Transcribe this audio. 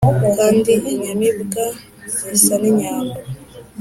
Kandi inyamibwa zisa n'inyambo.